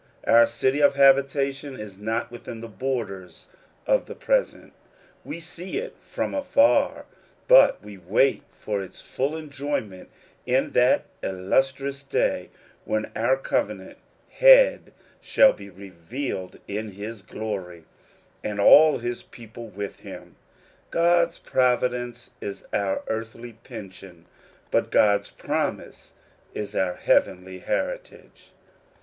Our city of habitation is not within the borders of the present ; we see it from afar, but we wait for its full enjoyment in that illustrious day when our covenant Head shall be revealed in his glory, and all his people with him. God's providence is our earthly pension ; but God's promise is our heavenly heritage.